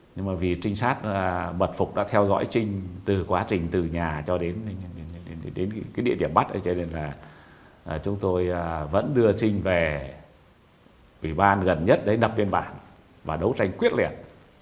nhưng mà vì trinh sát mật phục đã theo dõi trinh từ quá trình từ nhà cho đến cái địa điểm bắt ấy cho nên là chúng tôi vẫn đưa trinh về ủy ban gần nhất đấy lập biên bản và đấu tranh quyết liệt